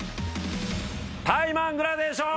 タイマングラデーション！